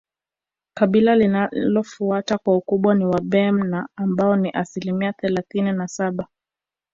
Kabila linalofuata kwa ukubwa ni Wabena ambao ni asilimia thelathini na saba